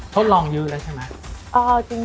ทดลองเยอะแล้วใช่ไหม